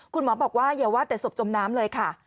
คุณหมอบอกว่าอย่าว่าแต่ศพจมน้ำเลยค่ะ